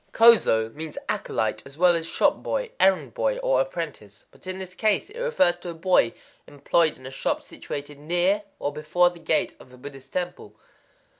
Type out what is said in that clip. Kozō means "acolyte" as well as "shop boy,""errand boy," or "apprentice;" but in this case it refers to a boy employed in a shop situated near or before the gate of a Buddhist temple.